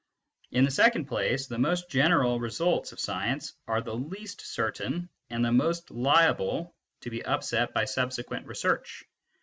In the second place, the jnost genera results of science are the least certain and the most liable to be upset by subsequent research.